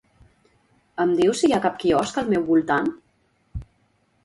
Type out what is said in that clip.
Em dius si hi ha cap quiosc al meu voltant?